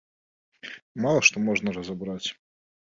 Мала што можна разабраць.